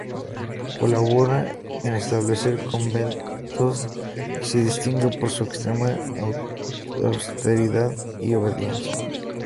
Colabora en establecer conventos y se distingue por su extrema austeridad y obediencia.